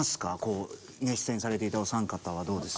出演されていたお三方はどうですか？